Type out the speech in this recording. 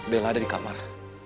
bella ada di kamar